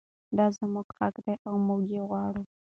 دا زموږ حق دی او موږ یې غواړو.